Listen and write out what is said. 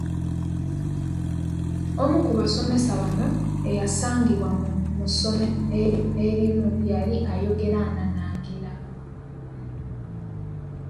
Omu ku basomesa bano eyasangibwa mu ssomero erimu yali ayogera ananaagira.